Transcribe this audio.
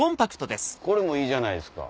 これもいいじゃないですか。